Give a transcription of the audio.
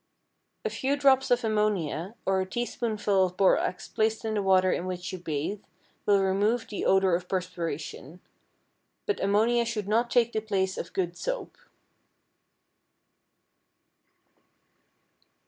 A few drops of ammonia or a teaspoonful of borax placed in the water in which you bathe will remove the odor of perspiration, but ammonia should not take the place of good soap.